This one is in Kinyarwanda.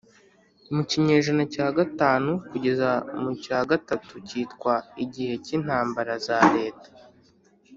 mu kinyejana cya gatanu kugeza mu cya gatatu cyitwa igihe cy’intambara za leta.